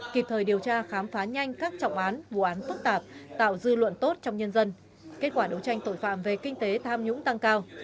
kịp thời điều tra khám phá nhanh các trọng án vụ án phức tạp tạo dư luận tốt trong nhân dân kết quả đấu tranh tội phạm về kinh tế tham nhũng tăng cao